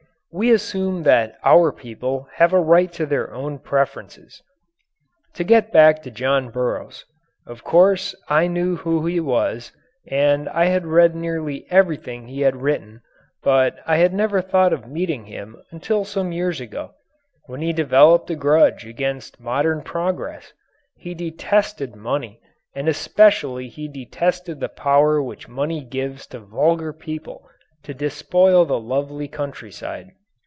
We assume that our people have a right to their own preferences. To get back to John Burroughs. Of course I knew who he was and I had read nearly everything he had written, but I had never thought of meeting him until some years ago when he developed a grudge against modern progress. He detested money and especially he detested the power which money gives to vulgar people to despoil the lovely countryside.